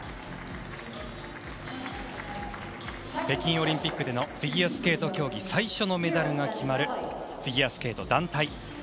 北京オリンピックフィギュアスケート競技最初のメダルが決まるフィギュアスケート団体